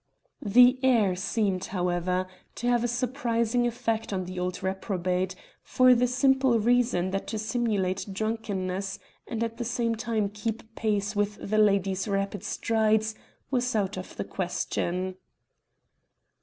The air seemed, however, to have a surprising effect on the old reprobate, for the simple reason that to simulate drunkenness and at the same time keep pace with the lady's rapid strides was out of the question.